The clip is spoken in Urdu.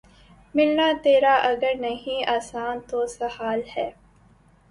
ملنا تیرا اگر نہیں آساں‘ تو سہل ہے